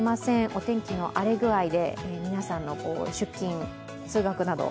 お天気の荒れ具合で皆さんの出勤、通学など。